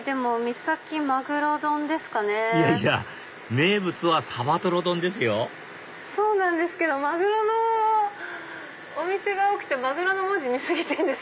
名物は鯖とろ丼ですよそうなんですけどマグロのお店が多くてマグロの文字見過ぎてるんです。